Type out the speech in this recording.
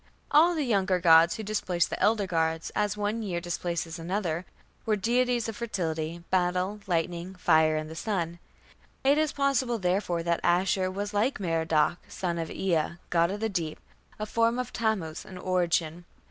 All the younger gods, who displaced the elder gods as one year displaces another, were deities of fertility, battle, lightning, fire, and the sun; it is possible, therefore, that Ashur was like Merodach, son of Ea, god of the deep, a form of Tammuz in origin.